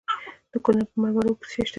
د کونړ په مروره کې څه شی شته؟